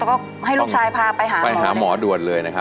แล้วก็ให้ลูกชายพาไปหาไปหาหมอด่วนเลยนะครับ